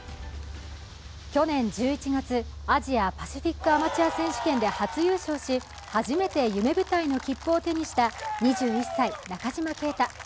去年１１月、アジアパシフィックアマチュア選手権で初優勝し初めて夢舞台の切符を手にした２１歳、中島啓太。